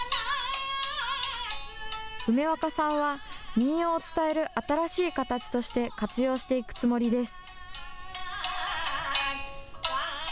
梅若さんは、民謡を伝える新しい形として活用していくつもりです。